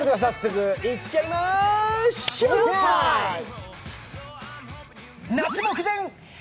それでは早速、行っちゃいまＳＨＯＷＴＩＭＥ！。